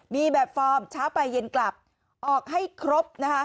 มีแบบฟอร์มเช้าไปเย็นกลับออกให้ครบนะคะ